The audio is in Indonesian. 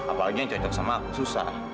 apa aja yang cocok sama aku susah